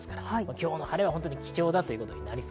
今日の晴れは貴重です。